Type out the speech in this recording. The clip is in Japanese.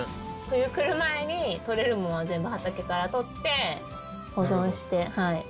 冬来る前にとれるものは全部畑からとって保存して。